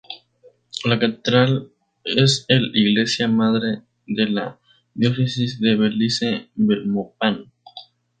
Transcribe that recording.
La catedral es el iglesia madre de la Diócesis de Belice-Belmopán.